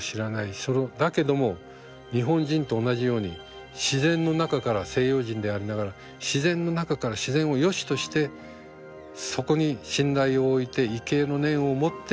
だけども日本人と同じように自然の中から西洋人でありながら自然の中から自然をよしとしてそこに信頼を置いて畏敬の念を持って学んだ人なんですよ。